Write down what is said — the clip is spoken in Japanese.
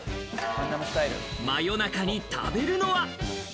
真夜中に食べるのは。